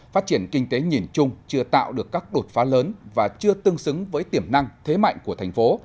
phát triển kinh tế nhìn chung chưa tạo được các đột phá lớn và chưa tương xứng với tiềm năng thế mạnh của thành phố